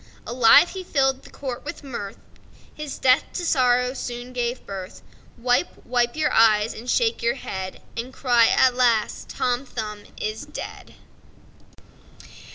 Alive he filled the court with mirth; His death to sorrow soon gave birth. Wipe, wipe your eyes, and shake your head And cry,—Alas! Tom Thumb is dead!